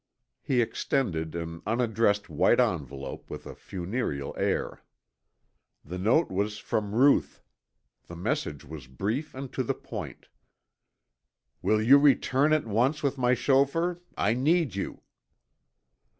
He extended an unaddressed white envelope with a funereal air. The note was from Ruth. The message was brief and to the point. "Will you return at once with my chauffeur? I need you."